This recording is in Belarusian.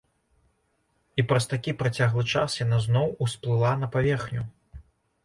І праз такі працяглы час яна зноў усплыла на паверхню!